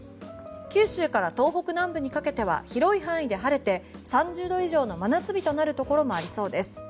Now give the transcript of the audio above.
九州から東北南部にかけては広い範囲で晴れて３０度以上の真夏日となるところもありそうです。